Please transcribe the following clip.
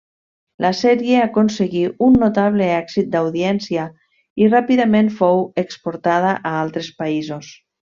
La sèrie aconseguí un notable èxit d'audiència i ràpidament fou exportada a altres països.